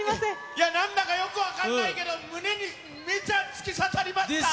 いや、なんだかよく分かんないけど、胸にめちゃ突き刺さりました。